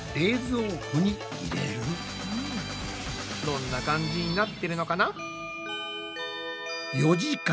どんな感じになってるのかな？